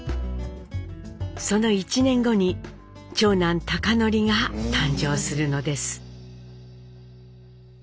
その１年後に長男貴教が誕生するのです。